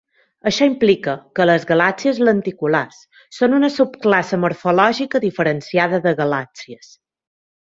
Això implica que les galàxies lenticulars són una subclasse morfològica diferenciada de galàxies.